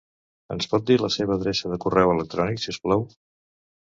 Ens pot dir la seva adreça de correu electrònic, si us plau?